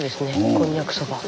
こんにゃくそば。